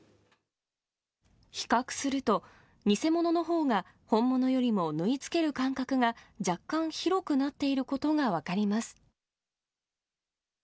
比較すると、偽物のほうが本物よりも縫い付ける間隔が若干広くなっていることが分かります。